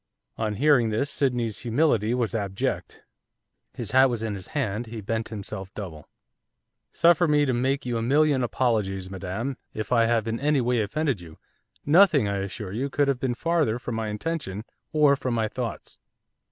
On hearing this Sydney's humility was abject. His hat was in his hand, he bent himself double. 'Suffer me to make you a million apologies, madam, if I have in any way offended you; nothing, I assure you, could have been farther from my intention, or from my thoughts.